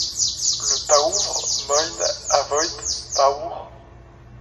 Le paouvre moyne avoyt paour.